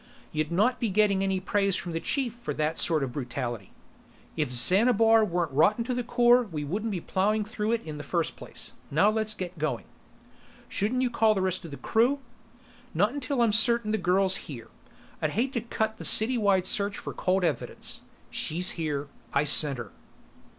"You'd not be getting any praise from the Chief for that sort of brutality." "If Xanabar weren't rotten to the core, we wouldn't be plowing through it in the first place. Now, let's get going." "Shouldn't you call for the rest of the crew?" "Not until I'm certain the girl's here. I'd hate to cut the city wide search for cold evidence." "She's here. I scent her."